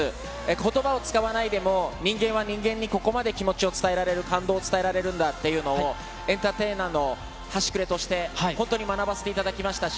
ことばを使わないでも、人間は人間にここまで気持ちを伝えられる、感動を伝えられるんだっていうのを、エンターテイナーのはしくれとして、本当に学ばせていただきましたし。